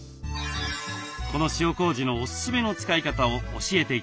この塩こうじのおすすめの使い方を教えて頂きます。